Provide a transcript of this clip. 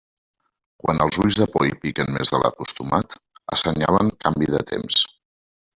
Quan els ulls de poll piquen més de l'acostumat, assenyalen canvi de temps.